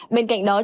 bên cạnh đó